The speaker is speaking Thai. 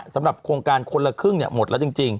สำหรับโครงการคนละครึ่งหมดแล้วจริง